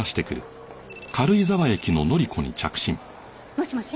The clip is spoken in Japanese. もしもし。